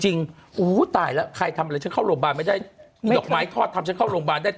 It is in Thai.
จริงตายแล้วใครทำเหลือเช้าโรงพยาบาลไม่ได้หบม้อกม้อยทอดทีเจริตใช้เข้าร่วงบ้านได้